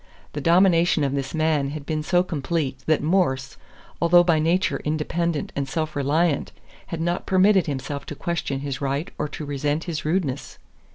The domination of this man had been so complete that Morse, although by nature independent and self reliant, had not permitted himself to question his right or to resent his rudeness.